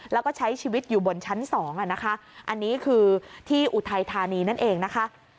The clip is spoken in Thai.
แล้วก็ใช้ชีวิตอยู่บนชั้นสองอ่ะนะคะอันนี้คือที่อุทัยธานีนั่นเองนะคะ